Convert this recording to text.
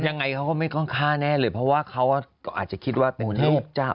ยังไงเขาก็ไม่ต้องฆ่าแน่เลยเพราะว่าเขาอาจจะคิดว่าเป็นลูกจ้าง